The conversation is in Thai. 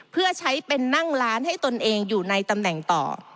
เพื่อใช้เป็นนั่งร้านให้ตนเองอยู่ในตำแหน่งต่อ